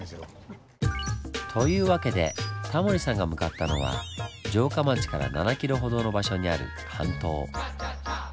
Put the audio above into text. というわけでタモリさんが向かったのは城下町から７ｋｍほどの場所にある半島。